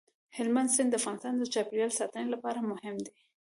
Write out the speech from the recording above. هلمند سیند د افغانستان د چاپیریال ساتنې لپاره مهم دی.